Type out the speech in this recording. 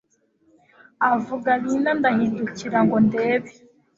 avuga Linda ndahindukira ngo ndebe